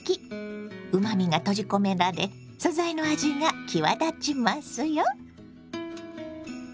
うまみが閉じ込められ素材の味が際立ちますよ。